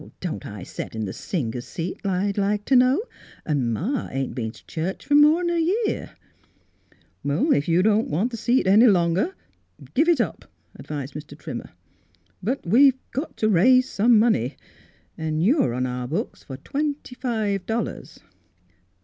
Don't I set in the singers' seat, I'd like to know? An' ma ain't been t' church for more'n a year." " If you don't want the seat any longer, give it up," advised Mr. Trimmer. " But we've got to raise some money, and you're 99 Miss Philura's Wedding Gown on our books for twenty five dollars.